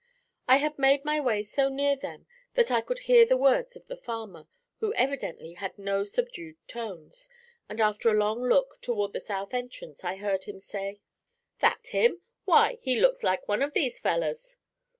I had made my way so near them that I could hear the words of the farmer, who evidently had no subdued tones, and after a long look toward the south entrance I heard him say: 'That him? Why, he looks like one of these fellers!'